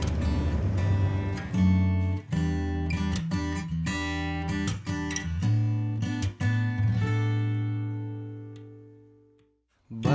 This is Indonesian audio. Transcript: kamu percaya sama aku ya